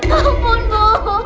maaf pun bu